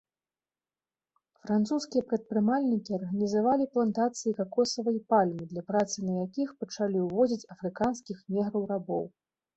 Французскія прадпрымальнікі арганізавалі плантацыі какосавай пальмы, для працы на якіх пачалі увозіць афрыканскіх неграў-рабоў.